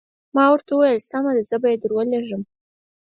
ما ورته وویل سمه ده زه به یې درولېږم.